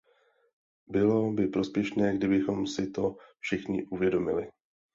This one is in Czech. Bylo by prospěšné, kdybychom si to všichni uvědomili.